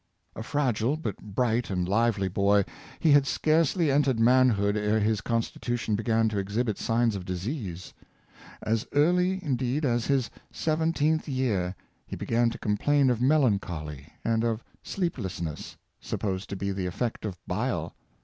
A fragile but bright and lively boy, he had scarcely entered manhood ere his constitution began to exhibit signs of disease. As early, indeed, as his seventeenth year, he began to complain of melancholy and sleepless ness, supposed to be the effect of bile.